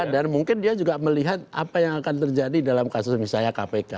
dan mungkin dia juga melihat apa yang akan terjadi dalam kasus misalnya kpk